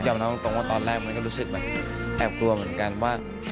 น้องตรงว่าตอนแรกมันก็รู้สึกแบบแอบกลัวเหมือนกันว่า